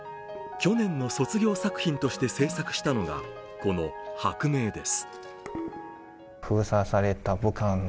去年の卒業作品として制作したのが、この「薄明」です。